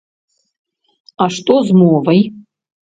А што з мовай?!